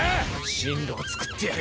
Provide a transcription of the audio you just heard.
進路を作ってやる。